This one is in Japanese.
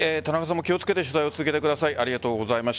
田中さんも気を付けて取材続けてください。